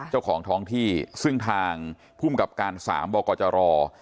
เจ้าของท้องที่ซึ่งทางพุ่มกับการศาลบ่อกรจรรย์